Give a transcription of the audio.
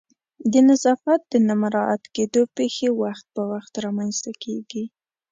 د نظافت د نه مراعت کېدو پیښې وخت په وخت رامنځته کیږي